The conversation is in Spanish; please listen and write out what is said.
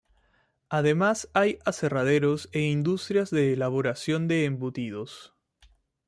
Además hay aserraderos e industrias de elaboración de embutidos.